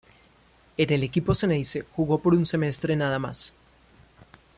En el equipo "Xeneize" jugó por un semestre nada más.